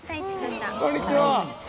こんにちは。